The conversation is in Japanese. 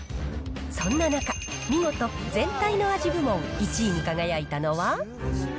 そんな中、見事、全体の味部門１位に輝いたのは？